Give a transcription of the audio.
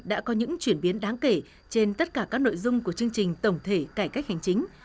đã có những chuyển biến đáng kể trên tất cả các nội dung của chương trình tổng thể cải cách hành chính